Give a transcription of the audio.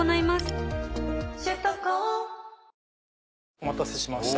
お待たせしました